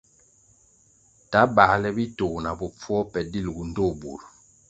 Ta bāle bitoh na bopfuo pe dilʼgu ndtoh bur.